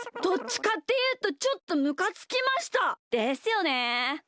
どっちかっていうとちょっとむかつきました。ですよね。